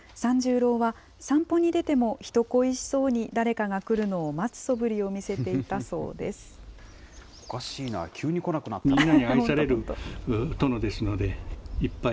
ろーは、散歩に出ても人恋しそうに誰かが来るのを待つそぶりを見せていたおかしいな、急に来なくなったな。